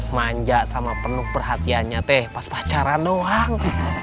manja sama penuh perhatiannya teh pas pacaran doang